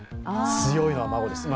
強いのは孫です。